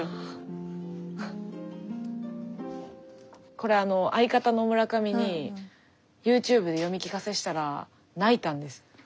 これ相方の村上にＹｏｕＴｕｂｅで読み聞かせしたら泣いたんです。